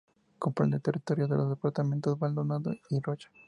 Comprende el territorio de los Departamentos de Maldonado y Rocha.